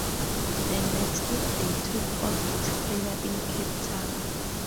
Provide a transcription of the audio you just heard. The next week they took on Australia in Cape Town.